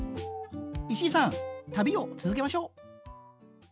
石井さん旅を続けましょう。